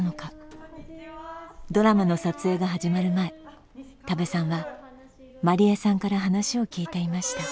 ドラマの撮影が始まる前多部さんはまりえさんから話を聞いていました。